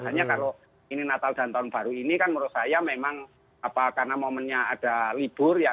hanya kalau ini natal dan tahun baru ini kan menurut saya memang karena momennya ada libur ya